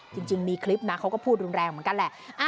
จริงมีคลิปนะเขาก็พูดรุนแรงเหมือนกันแหละ